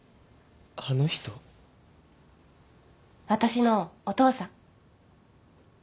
私のお父さん。